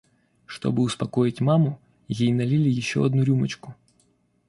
Чтобы успокоить маму, ей налили еще одну рюмочку.